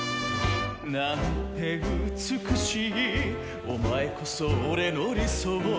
「なんて美しいお前こそ俺の理想」